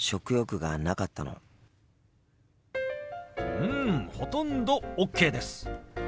うんほとんどＯＫです。